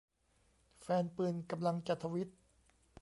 แฟนปืนกำลังจะ ทวิต